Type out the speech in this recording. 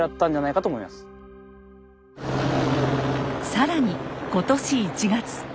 更に今年１月。